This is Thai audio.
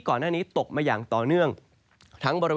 ก็จะมีการแผ่ลงมาแตะบ้างนะครับ